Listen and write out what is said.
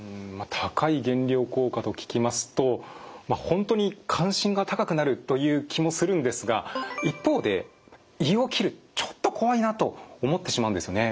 高い減量効果と聞きますと本当に関心が高くなるという気もするんですが一方で胃を切るちょっと怖いなと思ってしまうんですよね。